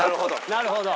なるほど。